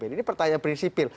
ini pertanyaan prinsipil